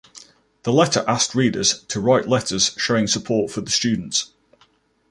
The letter asked readers to write letters showing support for the students.